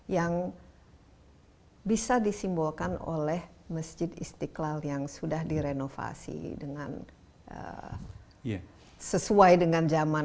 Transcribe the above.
yang bisa disimbolkan oleh masjid istiqlal yang sudah direnovasi sesuai dengan zaman